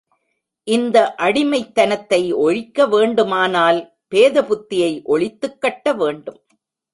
இந்த அடிமைத் தனத்தை ஒழிக்கவேண்டு மானால் பேத புத்தியை ஒழித்துக்கட்ட வேண்டும்.